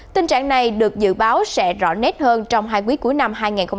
tình trạng này được dự báo sẽ rõ nét hơn trong hai quý cuối năm hai nghìn hai mươi